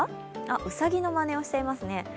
うさぎのまねをしていますね。